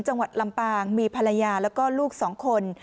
จังหวัดลำปางมีภรรยาแล้วก็ลูก๒คน